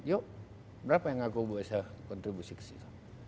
yuk berapa yang aku bisa kontribusi ke situ